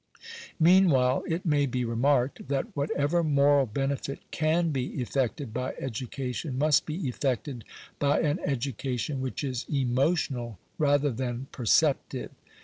Meanwhile it may be remarked, that whatever moral benefit can be effected by education, must be effected by an education which is emotional rather than preceptive.